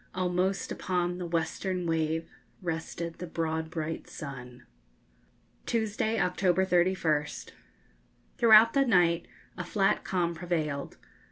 _ Almost upon the western wave Rested the broad bright sun. Tuesday, October 31st. Throughout the night a flat calm prevailed.